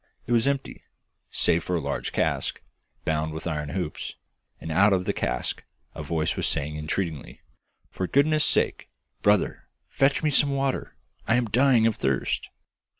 It was empty, save for a large cask, bound with iron hoops, and out of the cask a voice was saying entreatingly, 'For goodness' sake, brother, fetch me some water; I am dying of thirst!